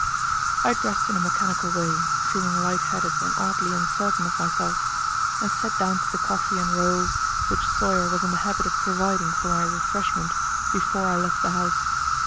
I dressed in a mechanical way, feeling light headed and oddly uncertain of myself, and sat down to the coffee and rolls which Sawyer was in the habit of providing for my refreshment before I left the house.